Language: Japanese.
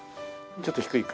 ちょっと低いか。